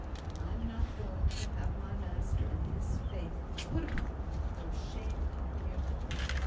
I'm not going to have my master and Miss Faith put upon, or shame come near them.